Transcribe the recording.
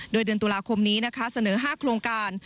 โดยเดือนตุลาคมนี้นะคะเสนอ๕โครงการ